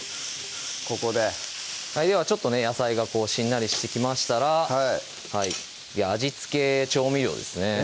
ここでではちょっとね野菜がしんなりしてきましたら味付け調味料ですね